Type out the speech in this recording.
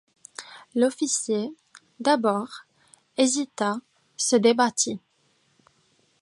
L'officier, d'abord, hésita, se débattit.